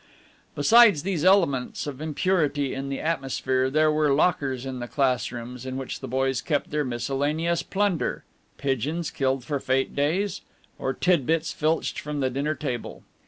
Besides these elements of impurity in the atmosphere, there were lockers in the classrooms in which the boys kept their miscellaneous plunder pigeons killed for fete days, or tidbits filched from the dinner table.